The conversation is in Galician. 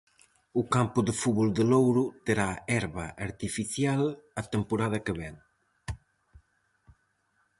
O campo de fútbol de Louro terá herba artificial a temporada que vén.